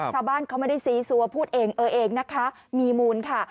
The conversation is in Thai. ชาวบ้านเขาไม่ได้ซีซัวพูดเองเออเองนะคะมีมูลค่ะ